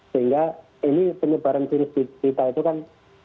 sehingga ini penyebaran diri kita itu kan mana yang diisolasi dan tidak ini juga agak susah